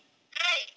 はい。